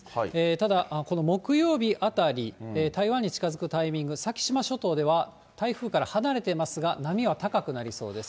ただこの木曜日あたり、台湾に近づくタイミング、先島諸島では台風から離れてますが、波は高くなりそうです。